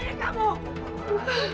tapi kamu harus tenang